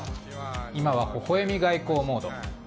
今は、ほほ笑み外交モード。